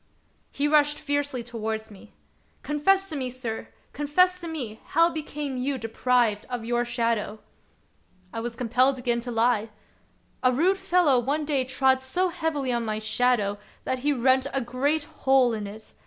" He rushed fiercely towards me. "Confess to me, sir I confess to me, how became you deprived of your shadow " 56 The Wonderful History I was compelled again to lie. " A rude fellow one day trod so heavily on my shadow that he rent a great hole in it.